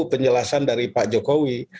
penjelasan dari pak jokowi